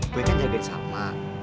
gue kan jagain salma